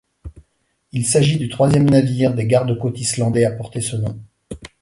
Il s'agit du troisième navire des garde-côtes islandais à porter ce nom.